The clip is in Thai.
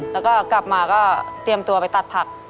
แล้วก็กลับมาก็เตรียมตัวไปตัดผัก